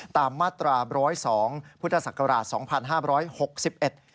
ตามมาตรา๑๐๒พุทธศักราช๒๕๖๑